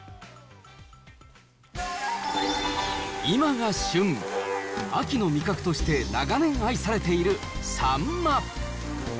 今が旬、秋の味覚として長年愛されているサンマ。